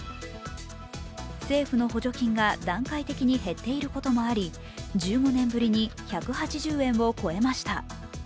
政府の補助金が段階的に減っていることもあり、１５年ぶりに１８０円を超えました。